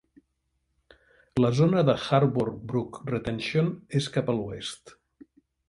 La zona de Harbor Brook Retention és cap a l'oest.